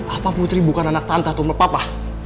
apa putri bukan anak tante atau papa